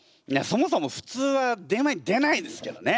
そもそもふつうは電話に出ないですけどね。